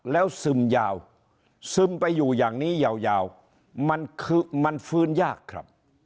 แล้วซึมยาวซึมไปอยู่อย่างนี้ยาวมันคือมันฟื้นยากครับ